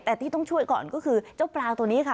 แต่ที่ต้องช่วยก่อนก็คือเจ้าปลาตัวนี้ค่ะ